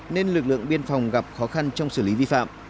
nên lực lượng biên phòng gặp khó khăn trong xử lý vi phạm